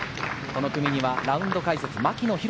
この組にはラウンド解説・牧野裕